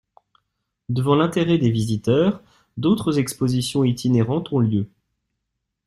Devant l’intérêt des visiteurs, d'autres expositions itinérantes ont lieu.